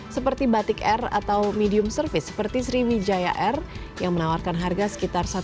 seperti batik air atau medium service seperti sriwijaya air yang menawarkan harga sekitar satu empat juta rupiah